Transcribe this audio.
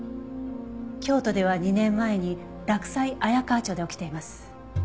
京都では２年前に洛西彩川町で起きています。